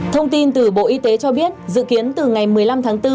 thông tin từ bộ y tế cho biết dự kiến từ ngày một mươi năm tháng bốn